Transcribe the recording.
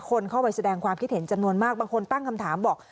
คนเข้าไปแสดงความคิดเห็นจำนวนมากบางคนตั้งคำถามบอก